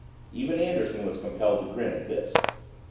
Even Anderson was compelled to grin at this.